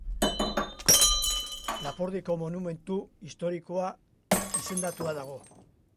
Lapurdiko monumentu historikoa izendatua dago.